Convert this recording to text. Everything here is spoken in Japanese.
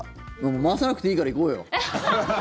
回さなくていいから行こうよ。